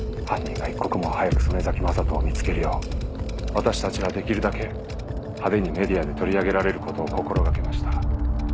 犯人が一刻も早く曾根崎雅人を見つけるよう私たちはできるだけ派手にメディアで取り上げられることを心掛けました。